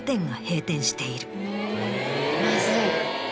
まずい。